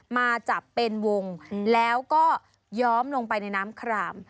มาจับเป็นวงแล้วก็ย้อมลงไปในน้ำคราม